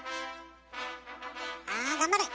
あ頑張れ！